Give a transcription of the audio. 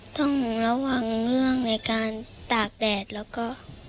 ต้องระวังเรื่องในการตากแดดแล้วก็